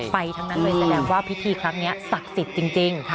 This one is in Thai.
ทั้งนั้นเลยแสดงว่าพิธีครั้งนี้ศักดิ์สิทธิ์จริง